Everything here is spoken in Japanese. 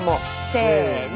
せの。